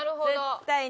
絶対に。